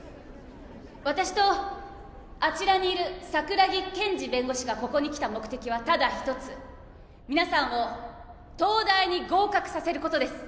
私とあちらにいる桜木建二弁護士がここに来た目的はただ一つ皆さんを東大に合格させることです